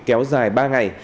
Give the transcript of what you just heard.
kéo dài ba ngày